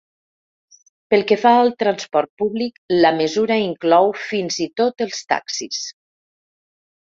Pel que fa al transport públic la mesura inclou fins i tot els taxis.